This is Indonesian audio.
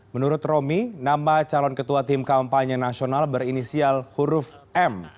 menurut romi nama calon ketua tim kampanye nasional berinisial huruf m